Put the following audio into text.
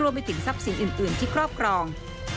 ไปถึงทรัพย์สินอื่นที่ครอบครอง